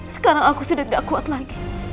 sekarang aku sudah tidak kuat lagi